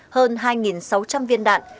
hơn hai sáu trăm linh viên đạn